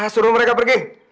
suruh mereka pergi